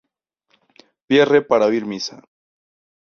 Pierre para oír misa.